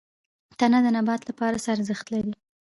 تنه د نبات لپاره څه ارزښت لري؟